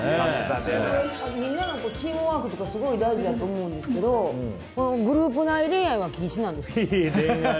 チームワークとかすごい大事だと思うんですけどグループ内恋愛は禁止なんですか。